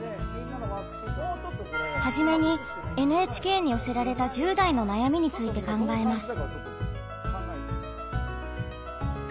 はじめにＮＨＫに寄せられた１０代の悩みについて考えます。